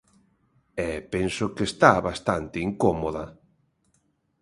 E penso que está bastante incómoda.